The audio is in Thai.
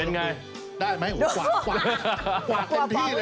ได้ไหมหัวกวาดเต็มที่เลย